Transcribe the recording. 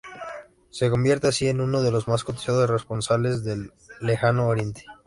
Se convierte así en uno de los más cotizados corresponsales del Lejano oriente.